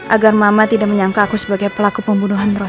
agar mama tidak menyangka aku sebagai pelaku pembunuhan roy